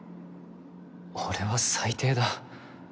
俺は最低だ。